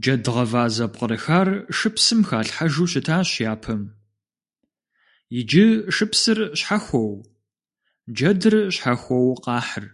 Джэд гъэва зэпкърыхар шыпсым халъхьэжу щытащ япэм, иджы шыпсыр щхьэхуэу джэдыр щхьэхуэу къахьыр.